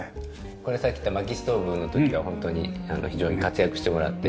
これさっき言った薪ストーブの時は本当に非常に活躍してもらって。